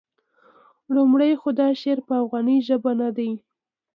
لومړی خو دا شعر په افغاني ژبه نه دی.